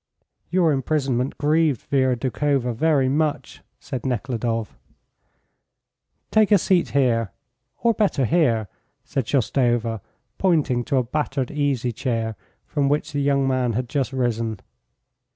"Your imprisonment grieved Vera Doukhova very much," said Nekhludoff. "Take a seat here, or better here," said Shoustova, pointing to the battered easy chair from which the young man had just risen.